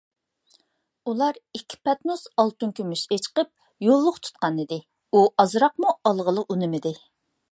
ئۇلار ئىككى پەتنۇس ئالتۇن - كۈمۈش ئاچىقىپ يوللۇق تۇتقانىدى، ئۇ ئازراقمۇ ئالغىلى ئۇنىمىدى.